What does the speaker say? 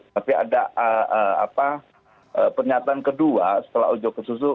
tapi ada pernyataan kedua setelah ojo ke susu